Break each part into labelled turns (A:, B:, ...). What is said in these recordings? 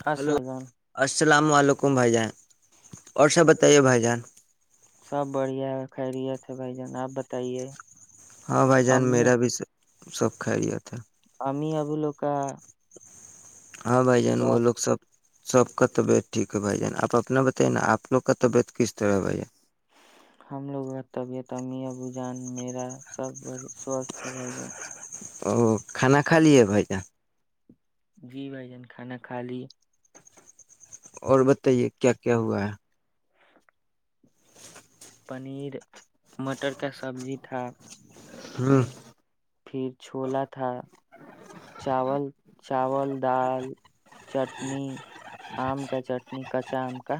A: خس
B: ہلو
A: لگان
B: [inaudible]
A: سب بڑھیا ہے خیرییت ہے بھائی جان آپ بتائیے
B: ہاں بھائی جان
A: امی
B: میرا بھی سب کھا لیا تھا
A: ہم اب لک
B: ہاں بھائی جان وہ لوگ سب سب کا طبیعت ٹھیک ہے بھائی جان آپ اپنا بتائیے نا آپ لوگ کا طبیعت کس طرح ہے بھائی جان
A: ہم لوگوں کا طبیعت ام ابو جان میرا سب بڑ سوستھ ہے بھائی جان
B: او کھانا کھا لیے بھائی جان
A: جی بھائی جان کھانا کھا لی
B: اور بتائیے کیا کیا ہوا ہے
A: پنیر مٹر کا سبزی تھا
B: ہوں
A: پھر چھولا تھا چاول چاول دال چٹنی آم کا چٹ ن کچا ہم کا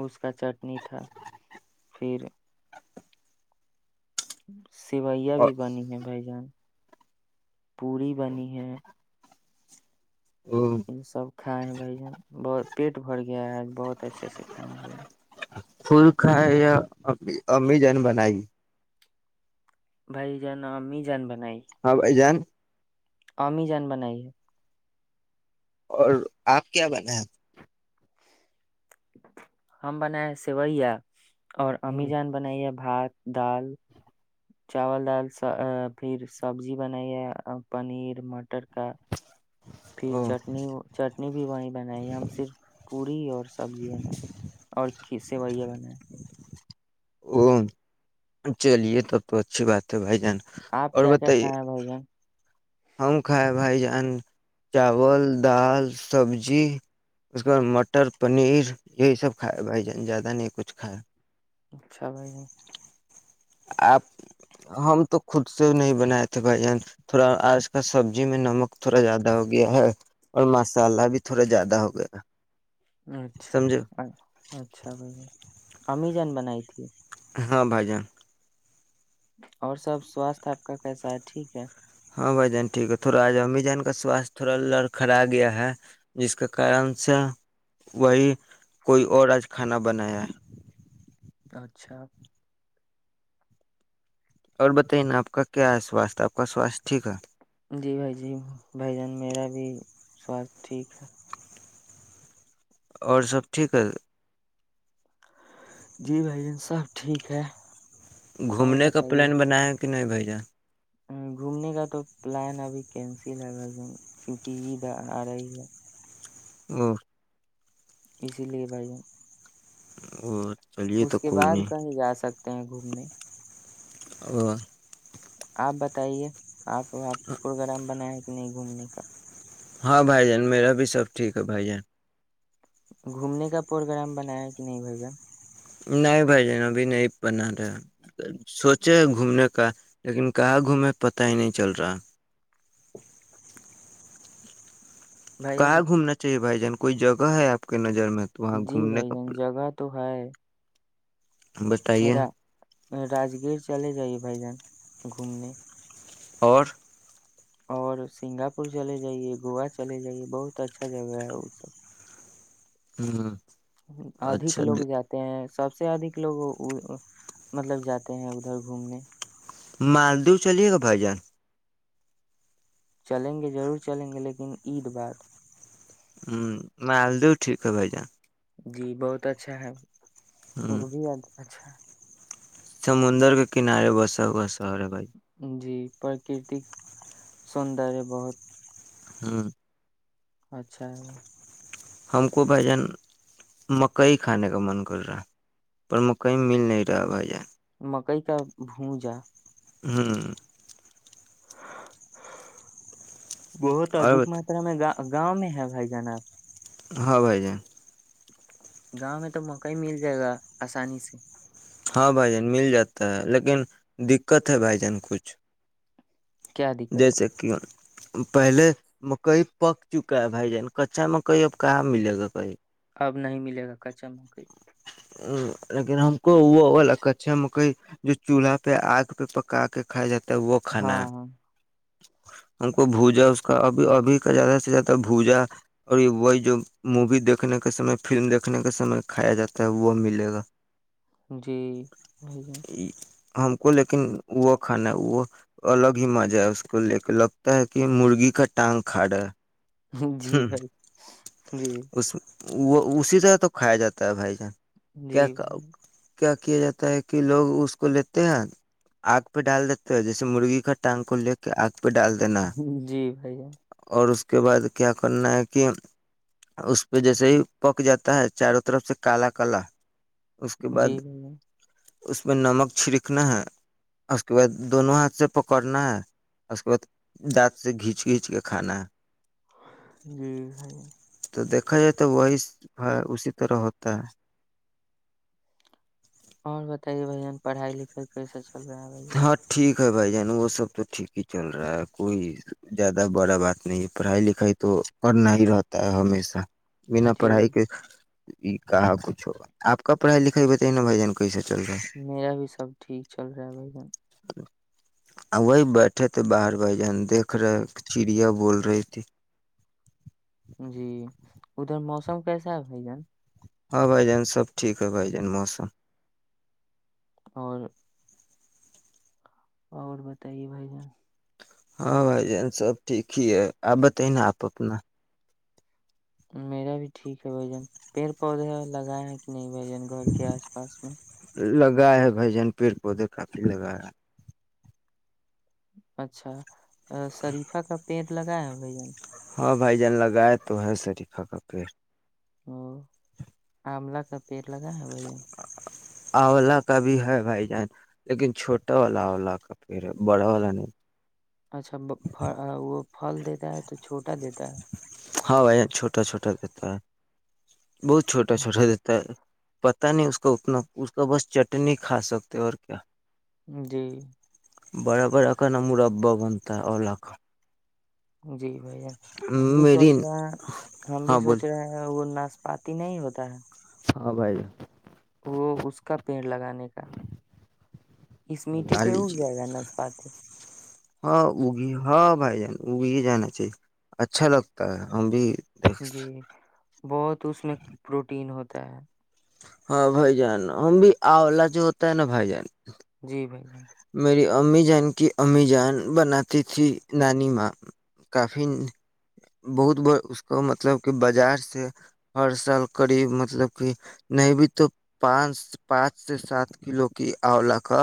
A: اس کا چٹنی تھا پھر ہ [inaudible] سوئیاں بھی بنی ہے بھائی جان پوڑی بنی ہے
B: ہاں
A: یہ سب کھائے ہیں بھائی ج بہت پیٹ بھر گیا ہے آج بہت اچھے سے کھائے ہیں بھائی
B: خل کھائے یا امی جن بنائی
A: بائی جانمی جان ب
B: ہاں بھائی جان
A: کمی جان بنائی ہے
B: اور آپ کیا بنےیں
A: ہم بنا سویا اور امی جان بنائیے اب بھات دال چاول دال پھر سبزی بنائییا پنیر مٹر کا پھر
B: او
A: چٹنی چٹنی بھی وہیں بنیں ہم صرف پوری اور سبزی بنائیں اور کھسے بیا بنائے
B: او چلیے تب تو اچھی بات ہے بھائی جان
A: آپ
B: اور
A: کیا کیا
B: بتائیے
A: کھائے ہیں بھائی جان
B: ہم کھا بھائی جان ین چاول دال سبزی اس کے بعد مٹر پنیر یہی سب کھائے بھائی جان زیادہ نہیں کچھ کھائے
A: اچھا بھائی
B: آپ ہم تو خود سے نہیں بنائے تھے بھائی جان تھوڑا آج کل سبزی میں نمک تھوڑا زیادہ ہو گیا ہے اور مسالہ بھی تھوڑا زیادہ ہو گیا
A: اچھا
B: سمجھو
A: اچھا بھ امی جان بنائی تھی
B: ہاں بھائی جان
A: اور سب سواستھ آپ کا کیسا ہے ٹھیک ہے
B: ہاں بھائی جان ٹھیک ہے تھوڑا آج امی جان کا سواستھ تھوڑا ل کرا گیا ہے جس کے کارن سے وہی کوئی اور آج کھانا بنایا ہے
A: اچھا [unintelligible]
B: اور بتائیے نا آپ کا کیا ہے سوستھ آپ کا سواستھ ٹھیک ہے
A: جی بھائی جی بھائی جان میرا بھی سواستھ ٹھیک ہے
B: اور سب ٹھ ہے
A: جی بھائی جن سب ٹھیک ہے اور
B: گھومنے کا
A: بتائیے
B: پلان بنایا [unintelligible] کہ نہیں بھیھ جا [unintelligible]
A: گھومنے کا تو پلان ابھی کینسل ہے بھائی جان کیونکہ عید آ رہی ہے
B: او [unintelligible]
A: اسی لیے بھائی
B: اور [unintelligible]
A: اس کے بعد کہیں جا سکتے ہیں گھومنے [unintelligible]
B: اور [unintelligible]
A: آپ بتائیے آپ [unintelligible] اور آپ پروگرام بنائےیں [unintelligible] نہیں گھومنے کا [unintelligible]
B: ہاں بھائی جان میرا بھی سب ٹھیک ہے بھائی جان
A: گھومنے کا پروگرام بنایا کہ نہیں ہوائے گا
B: نہیں بھائی جین ابھی نہیں بنا رہے سوچے ہے گھومنے کا لیکن کہاں گھومے پتا ہی نہیں چل رہا
A: بھائی جان
B: کہاں گھومنا چاہیے بھائی ج کوئی جگہ ہے آپ کے نر [unintelligible]
A: جی بھائی جان جگہ تو ہے
B: بتائیے [unintelligible]
A: راگیر چلے جائیے بائی جان گھومنے
B: اور [unintelligible]
A: اور سنگاپور چلے جائیے گووا چلے جائیے بہت اچھا جگہ ہے وہ سب
B: ہاں ہاں
A: ادک لوگ جاتے ہیں سب سے ادھ لوگ مطلب جاتے ہیں ادھر گھومنے
B: مالدو چلیے گا بھائی جان
A: چلیں گے ضرور چلیں گے لیکن عید بعد
B: ہوں میں آلدہ ٹھیک ک ب جا
A: جی بہت اچھا ہے [unintelligible]
B: ہ
A: وہ بھی اچھا
B: سمندر کے کنارے بسا ہوا سہرے بھائی
A: ہے جی پراکرتک سندر بہت
B: ہاں
A: اچھا
B: ہم کو بھائی جان مکئی کھانے کا من کر رہا پر مکئی مل نہیں رہا بھائی جان
A: کئی کا بھو جا
B: ہوں [inaudible]
A: بہت ادک
B: اور
A: ماترا میں گا گاؤں میں ہے بھائی جانب
B: ہاں بھائی جائے
A: گاؤں میں تو موقع ہی مل جائے گا آسانی سے
B: ہاں بھائی جان مل جاتا ہے لیکن دقت ہے بھائی جان کچھ
A: کیا دقت
B: جیس کی ون پہلے مکئی پک چکا ہے بھائی جان کچا مکئی اب کہاں ملے گا کہئی
A: اب نہیں ملے گا کچا موکری
B: لیکن ہم کو وہ کچھا مکئی جو چولہا پہ آگ پہ پکا کے کھائے جاتا توخانا
A: ہاں
B: ہم کو بھوجا اس کا ابھی ابھی کا زیادہ سے زیادہ بوجا اور وہی جو مووی دیکھنے کے سمے فلم دیکھنے کے سمے کھایا جاتا ہے وہ ملے گا
A: جی بھائی جان
B: ہم کو لیکن وہ کھانا ہے وہ الگ ہی مزہ ہے اس ے لگتا ہے کہ مرغی کا ٹانگ کھاڑا ہے
A: جی بھائی جی
B: اس وہ اسی طرح تو کھایا جاتا ہے بھائی جان
A: جی
B: کیا
A: بھ
B: کیا کیا جاتا ہے کہ لوگ اس کو لیتے ہیں آگ پہ ڈال دیتے ہیں جیسے مرغی کا ٹانگ کو لے کے آگ پہ ڈال دینا
A: جان جی بھائی جان
B: اور اس اس کے بد کیا کرنا ہے کہ اس پہ جیسے ہی پک جاتا ہے چاروں طرف سے کالا کالا اس کے
A: جی
B: بعد
A: بھیا
B: اس میں نمک چھڑکنا ہے اس کے بعد دونوں ہاتھ سے پکڑنا ہے اس کے بعد دانت سے گھیچ گھینچ کے کھانا ہے
A: جی سی
B: تو دیکھا جائے تو وہ اسی طرح ہوتا ہے
A: اور بتائیے بین پڑھائی لکھائی کیسے چ چل رہا ہے بھ یہ
B: د بھائی جان وہ سب تو ٹھیک ہی چل رہا ہے کوئی زیادہ بڑا بات نہیں پڑھائی لکھائی تو کرنا ہی رہتا ہے ہمیشہ بنا
A: جی
B: پڑھائی کے یہ کہا کچھ ہوا آپ کاب پڑھائی لکھائی بتائی نا بھ جن کو
A: میرا بھی سب ٹھیک چل رہا ہے بھائی جن
B: وہی بیٹھے تھے باہر بائی جان دھ رہے چڑیا بول رہی تھی
A: جی ادھر موسم کیسا ہے بھائی جان
B: ہاں بھائی جان سب ٹھیک ہے بھائی جان موسم
A: اور اور بتائیے بھائی جان
B: ہاں بھائی جان سب ٹھیک ہی ہے آپ بتائی نا آپ اپنا
A: میرا بھی ٹھیک ہے بھائی جان پیڑ پودے لگائےیا ہیں کہ نہیں بھجن گڑ کے آس پاس میں
B: لگائے ہے بھائی جن پیڑ پودے کافی لگا
A: اچھا ا شریفہ کا پییر لگا ہے ہو جان
B: ہاں بھائی جان لگائے تو ہے شریفا کا پیڑ
A: ا آملہ کا پیڑ لگا ہے بھائی جان
B: اولہ کا بھی ہے بھائی جان لیکن چھوٹا والا اولہ کا پھر ہے بڑا والا نہیں
A: اچھا وہ پھل دیتا ہے تو چھوٹا دیتا ہے
B: ہاں بھائی یہ چھوٹا چھوٹا کہتا ہے بہت چھوٹا چھوٹا دیتا ہے پتا نہیں اس کو اتنا اس کا بس چٹ چٹنی کھا سکتے اور کیا
A: جی
B: برابر اکا ن م ر اببا بنتا ہے اورلا کا
A: جی ب ہم بھی
B: میری
A: سوچ رہے ہیں ہم بھی
B: ہاں
A: سوچ
B: بولی
A: رہے ہیں وہ ن پاتی نہیں ہوتا ہے
B: ہاں بھائی ج
A: وہ اس کا پیڑ لگانے کا اس مٹی
B: لگا
A: پہ اگ
B: لیجیے
A: جائے گا نسپاتے
B: ہاں وہ بھی ہاں بھائی جان وہ بھی جانا چاہیے اچھا لگتا ہے ہم بھی دیکھ
A: جی بہت اس میں پروٹین ہوتا ت
B: ہاں بھائی جان ہم بھی اولہ جو ہوتا ہے نا بھائی جان
A: جی بھائی ج [unintelligible]
B: میری امی جان کی امی جان بناتی تھی نانی ماں کافی بہت بار اس کو مطلب کہ بازار سے ہر سال قریب مطلب کہ نہیں بھی تو پانچ پانچ سے سات کلو کی اولا کا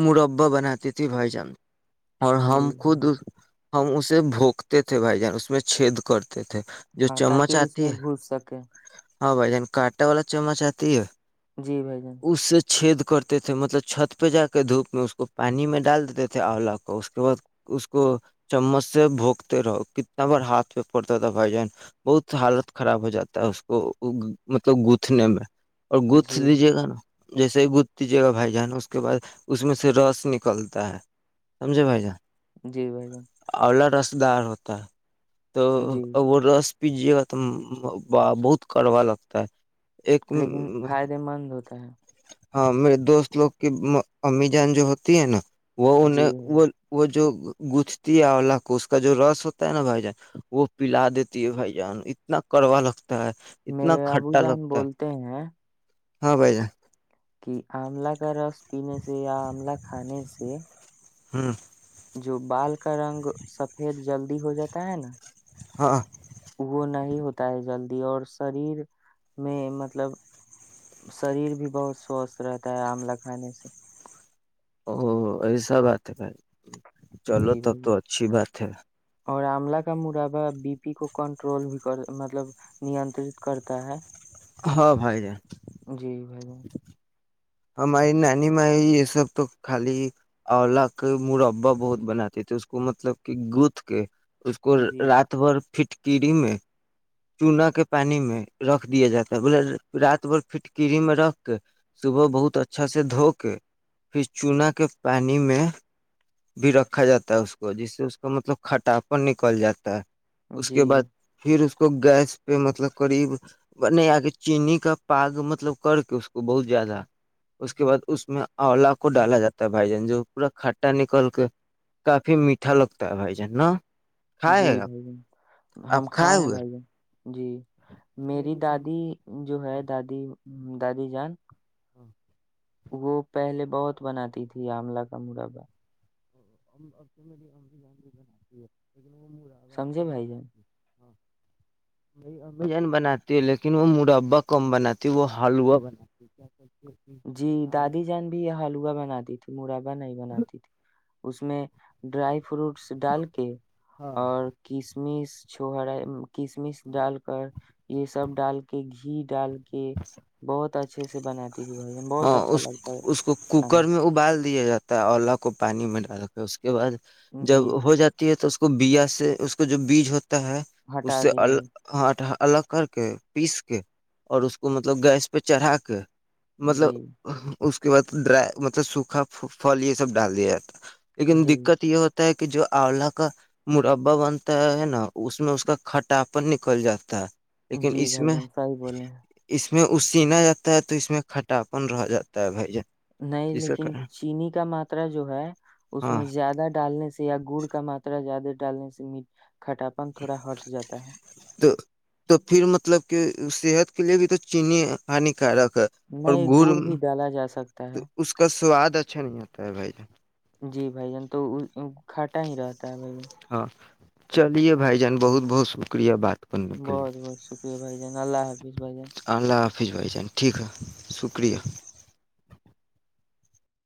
B: مورب بناتیت بائی ج اور
A: جی
B: ہم
A: جی
B: خود ہم اسے بھونکتے تھے بھائی جان اس میں چھید کرتے [unintelligible] تھے جو
A: ہاں
B: چمچ
A: تاکہ اس
B: آتی
A: میں
B: ہے
A: گھس سکے
B: [unintelligible] ہاں بھائی جن کانٹا والا چمچ آتی ہے [unintelligible]
A: جی بھائی جان [unintelligible]
B: اس سے چھید کرتے تھے مطلب چھت پہ جا [unintelligible] کے دھوپ میں اس کو پانی میں ڈال دیتے تھے آولہ کو اس کے بعد اس کو چمچ سے بھوکتے رہو کتنا بار ہاتھ پہ پڑتا تھا بھائی جان بہت حالت خراب ہو جاتا ہے اس کو مطلب گتھنے میں [unintelligible] اور گچھ
A: جی
B: دیجیے گا نا [unintelligible] جیسے ہی گتھتیجیے گا بھائی جان اس کے بعد [unintelligible] اس میں سے رس نکلتا ہے سمجھے بھائی جان [unintelligible]
A: جی بھائی جان [unintelligible]
B: واللا رسدار ہوتا ہے [unintelligible] تو
A: جی
B: وہ رس [unintelligible] پجیے گا تو بہت کڑوا لگتا ہے [unintelligible]
A: لیکن فائدے مند ہوتا ہے
B: ہاں میرے دوست لوگ کی امی جان جو ہوتی ہے نا وہ
A: جی
B: انیں
A: بھائی
B: وہ
A: جان۔
B: وہ جو [unintelligible] گجھتی ہے اولہ کو اس کا جو رس ہوتا ہے نا بھائی جان وہ پلا دیتی ہے بھائی جان اتنا کڑوا لگتا ہے اتنا
A: میرے ابو
B: کھٹا
A: جان
B: لگتا ہے
A: بولتے ہیں
B: ہاں بھ جا [unintelligible]
A: کہ آملہ کا رس پینے سے یا آملہ کھانے سے
B: ہاں [unintelligible]
A: جو بال کا رنگ سفید جلدی ہو جاتا ہے نا
B: ہاں [unintelligible]
A: وہ نہیں ہوتا ہے جلدی اور شریر میں مطلب شریر بھی بہت سوستھ رہتا ہے آملہ کھانے سے
B: او یہی سا بات ہے بھائی چلو
A: جی
B: تب
A: بھائی
B: تو اچھی بات ہے
A: اور آملہ کا مرابا بی پی کو کنٹرول بھی کر مطلب نیترت کرتا ہے [unintelligible]
B: ہاں بھائی ج [unintelligible]
A: ب گا [unintelligible]
B: ہماری نانی م یہ سب تو خالی اولا کے مربا بہت بناتی تھے اس کو مطلب کہ گتھ کے اس کو
A: جی
B: رات بھر [unintelligible] فھٹکڑ میں [unintelligible] چونا کے پانی میں رکھ دیا جاتا ہے بولے رات بھر پٹکری میں رکھ کے صبح بہت اچھا سے دھو کے پھر چونا کے پانی میں بھی رکھا جاتا ہے اس کو جس سے اس کا مطلب کھٹاپن نکل جاتا ہے اس کے
A: جی
B: بعد پھر [unintelligible] اس کو گیس پہ مطلب قریب نہیں آ کے چینی کا پاگ مطلب کر کے اس کو بہت زیادہ اس کے بعد اس میں آلا کو ڈالا جاتا ہے بھائی جان جو پورا کھٹا نکل کے کافی میٹھا لگتا ہے بھائی جان نا
A: جی
B: کھائے آپ
A: بھائی ج ہم
B: آپ
A: کھائے ہیں
B: ہوئے
A: بھائی جن جی میری دادی جو ہے دادی ہ دادی جان
B: ہاں
A: وہ پہلے بہت بناتی تھی آملہ کا مربا
B: اب تو میری امب جان بھی بناتی ہے وہ مڑاا
A: سمجھے
B: کم
A: بھائی
B: بنا
A: جان
B: ہاں ب ا جان بناتی ہے لیکن وہ مربا کم بناتی ہے وہ حلوا بناتی کرتی ہے کہ
A: جی
B: اور
A: دادی جان بھی یہ حال ا بنا دی تھی مڑا نہیں بناتی تھی اس میں ڈرائیو فروٹس ڈال کے
B: ہاں
A: اور کس کشمش چوہرا کشمش ڈال کر یہ سب ڈال کے گ گھی ڈال کہ بہت اچھے سے بن
B: ہ اس اس کو
A: کھانے
B: کوکر میں ابال دیا جا ہے اولا کو پانی میں ڈال کے اس کے کے بعد جب
A: جی
B: ہو جاتی ہے تو کو بیا سے اس کا جو بیج ہوتا ہے اس
A: ہٹا
B: سے
A: دیا
B: ال
A: گیا۔
B: ہٹ الگ کر کے پیس کے اور اس کو مطلب گیس پہ چڑھا کے
A: جی
B: مطلب اس کے بعد ڈرائی مطلب سوکھا فل یہ سب ڈال دیا جاتا لیکن
A: جی
B: دقت یہ ہوتا ہے کہ کہ جو آولا کا مربا بنتا ہے نا اس میں اس کا کھٹاپن نکل جاتا ہے لیکن
A: جی
B: اس
A: بھائی جن سائی بولے ہیں
B: میں اس سین جاتا ہے تو اس میں کھ اپن رہ جاتا ہے ج
A: نہیں لیکن چینی کا ماترا جو ہے اس
B: ہاں
A: میں زیادہ ڈالنے سے یا گوڑ کا ماترا زیادہ [unintelligible] ڈالنے سےی کھٹاپن تھوڑا ہٹ جاتا ہے [unintelligible]
B: تو تو پھر مطلب کہ صحت کے لیے بھی تو چینی ہانیکارک [unintelligible] اور
A: نہیں
B: گڑ
A: بھی ڈالا جا سکتا
B: تو
A: ہے
B: اس کا سواد [unintelligible] اچھا نہیں آتا ہے بھائی [unintelligible]
A: جی بھائی جان تو کھٹا ہی رہتا ہے بھائی
B: ہاں چلیے بھائی جان بہت بہت شکریہ بات کرنے کے لیے
A: بہت بہت شکریہ بھائی جان اللہ حافظ بھائی جان
B: فس بھائی جان ٹھیک ہے [unintelligible] شکریہ
A: ٹھیک
B: [unintelligible]